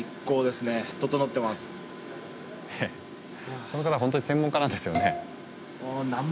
えっこの方ホントに専門家なんですよね？